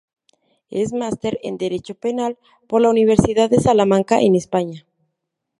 Es Máster en Derecho Penal por la Universidad de Salamanca en España.